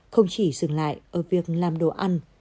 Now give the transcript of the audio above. không chỉ dừng lại ở việc làm đồ ăn